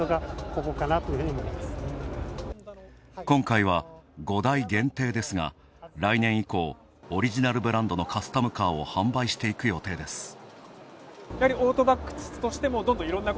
今回は５台限定ですが来年以降、オリジナルブランドのカスタムカーを販売していく予定です。